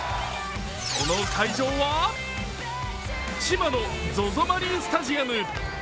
この会場は、千葉のＺＯＺＯマリンスタジアム。